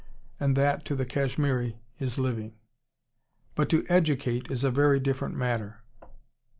And that to the Kashmiri is living. "But to educate is a very different matter.